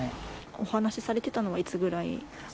お話されてたのはいつぐらいですか？